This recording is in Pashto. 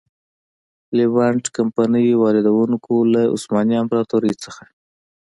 لېوانټ کمپنۍ واردوونکو له عثماني امپراتورۍ څخه.